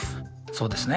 そうですね。